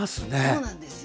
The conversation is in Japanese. そうなんですよ。